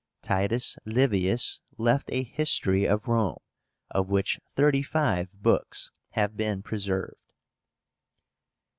TITUS LIVIUS left a history of Rome, of which thirty five books have been preserved.